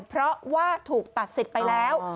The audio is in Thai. เพราะว่าถูกตัดสิทธิ์ไปแล้ว